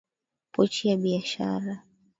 Pochi ya biashara.